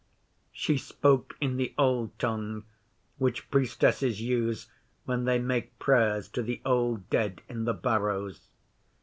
She spoke in the Old Tongue which Priestesses use when they make prayers to the Old Dead in the Barrows.